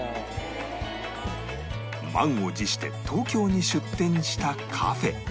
満を持して東京に出店したカフェ